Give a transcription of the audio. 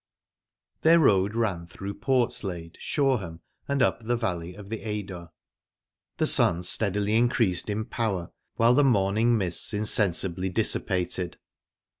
Their road ran through Portslade, Shoreham, and up the valley of the Adur. The sun steadily increased in power, while the morning mists insensibly dissipated.